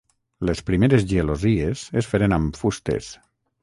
Les primeres gelosies es feren amb fustes.